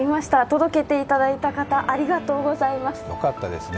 届けていただいた方、ありがとうございます。